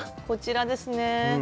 こちらですね。